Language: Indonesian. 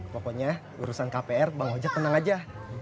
pokoknya urusan kpr bang ojek tenang aja